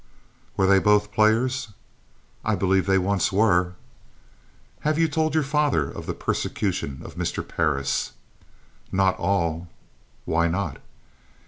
"Were they both players?" "I believe they once were." "Have you told your father of the persecutions of Mr. Parris?" "Not all." "Why not?"